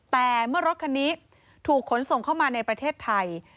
แต่เมื่อรถคันนี้ถูกขนส่งเข้ามาในประเทศไทย